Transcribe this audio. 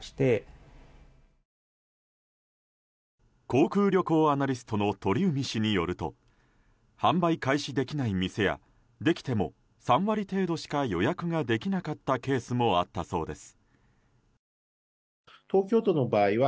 航空旅行アナリストの鳥海氏によると販売開始できない店やできても３割程度しか予約ができなかったケースもあったそうです。